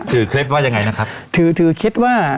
ถือเคล็บว่ายังไงนะครับถือริเคทร์ว่า